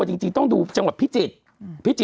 กรมป้องกันแล้วก็บรรเทาสาธารณภัยนะคะ